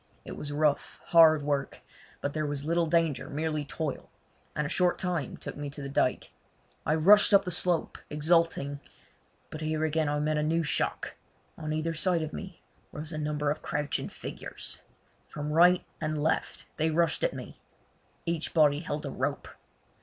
It was rough, hard work, but there was little danger, merely toil; and a short time took me to the dyke. I rushed up the slope exulting; but here again I met a new shock. On either side of me rose a number of crouching figures. From right and left they rushed at me. Each body held a rope.